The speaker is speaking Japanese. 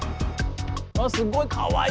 すごいかわいい！